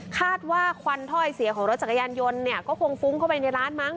ควันถ้อยเสียของรถจักรยานยนต์เนี่ยก็คงฟุ้งเข้าไปในร้านมั้ง